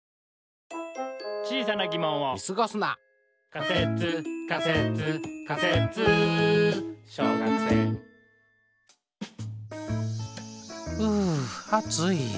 「仮説仮説仮説小学生」う暑い。